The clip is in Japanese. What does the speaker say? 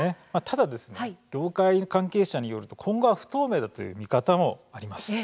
ただ業界関係者によると今後は不透明だという見方もあります。